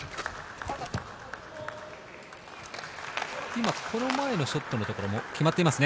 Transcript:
今、この前のショットのところも決まっていますね。